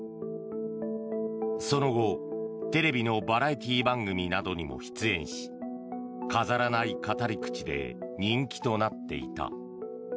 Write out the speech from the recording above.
その後、テレビのバラエティー番組などにも出演し飾らない語り口で人気となっていた。